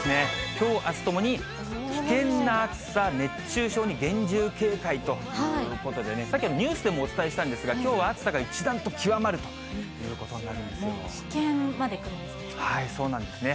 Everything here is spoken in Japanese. きょう、あすともに危険な暑さ、熱中症に厳重警戒ということでね、さっきニュースでもお伝えしたんですが、きょうは暑さが一段と極危険までくるんですね。